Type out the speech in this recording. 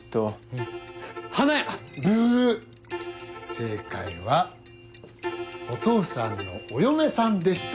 正解はお父さんのお嫁さんでした。